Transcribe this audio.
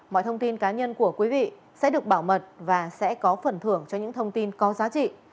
mọi thông tin cá nhân của quý vị sẽ được bảo mật và sẽ có phần thưởng cho những thông tin có giá trị